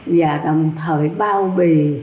và đồng thời bao bì